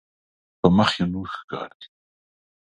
په مخ کې نور ښکاري.